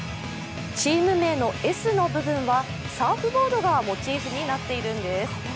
チーム名の「Ｓ」の部分はサーフボードがモチーフとなっているんです。